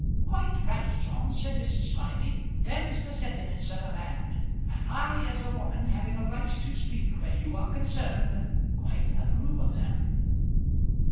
"Quite right, John," said Mrs. Smiley. "Them's the sentiments of a man, and I, as a woman having a right to speak where you are concerned, quite approve of them."